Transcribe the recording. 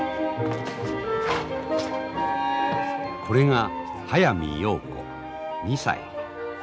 これが速水陽子２歳。